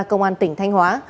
công an tỉnh thanh hóa